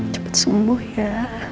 cepet sembuh ya